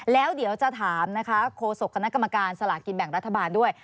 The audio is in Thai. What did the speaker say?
แล้วเดี๋ยวจะถามโฆษกฤษกับนักกรรมการหลักกินแบ่งรัฐบาลด้วย